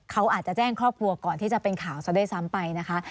เขาอาจจะแจ้งครอบครัวก่อนที่จะเป็นข่าวซะด้วยซ้ำไปนะคะ